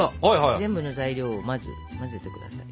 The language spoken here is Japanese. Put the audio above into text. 全部の材料を混ぜて下さい。